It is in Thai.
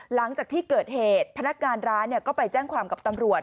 หลังจากที่เกิดเหตุพนักงานร้านก็ไปแจ้งความกับตำรวจ